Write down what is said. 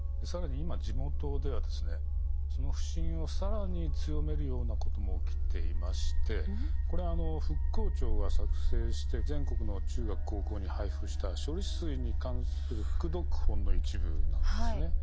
更に今地元ではですねその不信を更に強めるようなことも起きていましてこれは復興庁が作成して全国の中学高校に配布した処理水に関する副読本の一部なんですね。